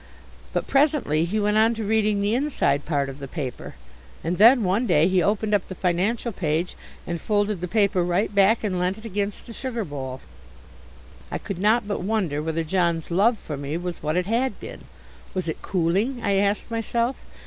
But presently he went on to reading the inside part of the paper, and then one day he opened up the financial page and folded the paper right back and leant it against the sugar bowl. I could not but wonder whether John's love for me was what it had been. Was it cooling? I asked myself.